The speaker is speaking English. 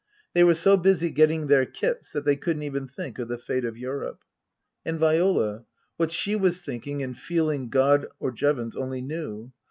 They were so busy getting their kits that they couldn't even think of the fate of Europe. And Viola what she was thinking and feeling God (or Jevons) only knew.